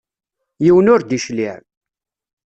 Yiwen ur d-icliɛ.